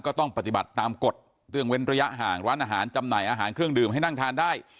ก็ต้องปฏิบัติตามกฎเรื่องเว้นระยะห่างร้านอาหารจำหน่ายอาหารเครื่องดื่มให้นั่งทานได้